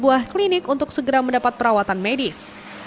sebuah klinik untuk segera mendapat perawatan medis